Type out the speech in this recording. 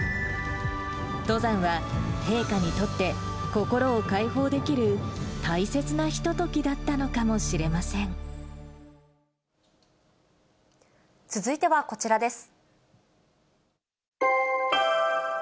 登山は陛下にとって心をかいほうできる大切なひと時だったのかも続いてはこちらです。